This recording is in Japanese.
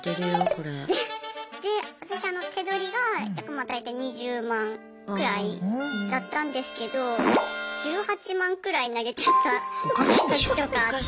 私手取りが約まあ大体２０万くらいだったんですけど１８万くらい投げちゃったときとかあって。